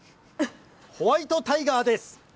ホワイトタイガーです。